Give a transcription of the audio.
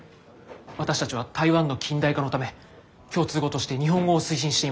私たちは台湾の近代化のため共通語として日本語を推進しています。